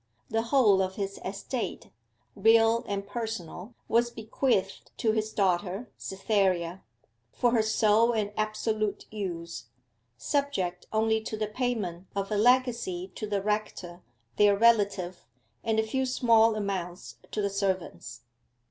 The whole of his estate, real and personal, was bequeathed to his daughter Cytherea, for her sole and absolute use, subject only to the payment of a legacy to the rector, their relative, and a few small amounts to the servants.